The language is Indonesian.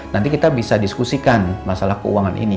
nanti kita bisa diskusikan masalah keuangan ini